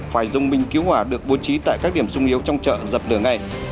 phải dùng bình cứu hỏa được bố trí tại các điểm sung yếu trong chợ dập lửa ngay